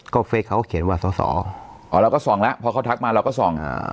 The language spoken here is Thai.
ก็เขาเขียนว่าอ๋อเราก็ส่องแล้วเพราะเขาทักมาเราก็ส่องอ่า